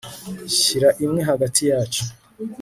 shyira imwe hagati yacu